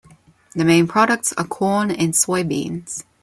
The main products are corn and soybeans.